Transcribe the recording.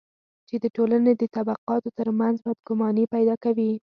چې د ټولنې د طبقاتو ترمنځ بدګماني پیدا کوي.